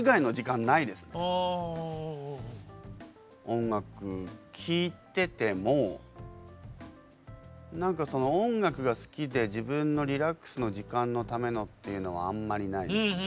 音楽聴いてても何かその音楽が好きで自分のリラックスの時間のためのっていうのはあんまりないですね。